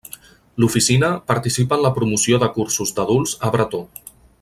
L'Oficina participa en la promoció de cursos d'adults a bretó.